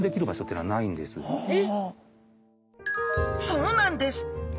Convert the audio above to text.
そうなんです！